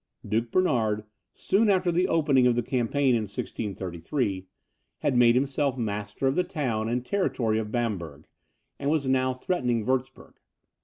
Duke Bernard, soon after the opening of the campaign of 1633, had made himself master of the town and territory of Bamberg, and was now threatening Wurtzburg.